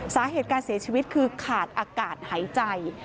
สาเหตุการเสียชีวิตคือขาดอากาศหายใจ